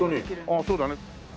あっそうだね。